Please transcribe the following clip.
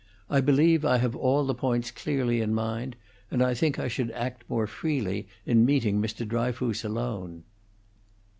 I believe I have all the points clearly in mind, and I think I should act more freely in meeting Mr. Dryfoos alone."